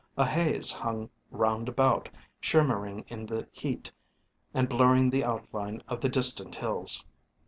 A haze hung round about, shimmering in the heat and blurring the outline of the distant hills.